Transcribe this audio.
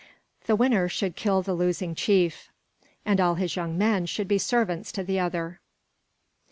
The winner should kill the losing chief, and all his young men should be servants to the other.